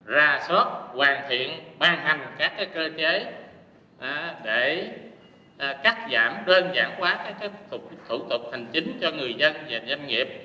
ra soát hoàn thiện ban hành các cơ chế để cắt giảm đơn giản quá thủ tục hành chính cho người dân và doanh nghiệp